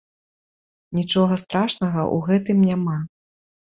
Нічога страшнага ў гэтым няма.